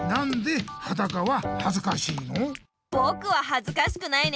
ぼくははずかしくないね。